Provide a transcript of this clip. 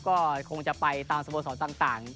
ก็คงจะไปตามสโมสรต่าง